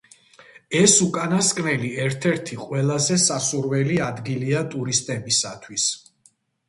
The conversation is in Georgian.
ეს უკანასკნელი ერთ-ერთი ყველაზე სასურველი ადგილია ტურისტებისათვის.